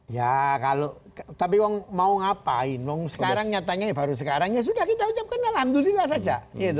ya kalau tapi mau ngapain wong sekarang nyatanya baru sekarang ya sudah kita ucapkan alhamdulillah saja